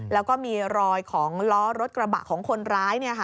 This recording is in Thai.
แล้วก็มีรอยของล้อรถกระบะของคนร้าย